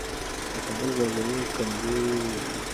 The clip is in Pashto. د کابل زلزلې کمزورې وي